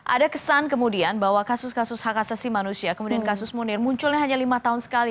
ada kesan kemudian bahwa kasus kasus hak asasi manusia kemudian kasus munir munculnya hanya lima tahun sekali